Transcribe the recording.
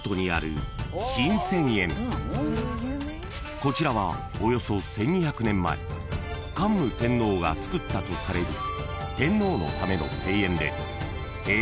［こちらはおよそ１，２００年前桓武天皇が造ったとされる天皇のための庭園で］